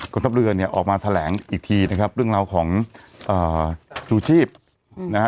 ทัพเรือเนี่ยออกมาแถลงอีกทีนะครับเรื่องราวของชูชีพนะฮะ